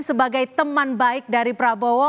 sebagai teman baik dari prabowo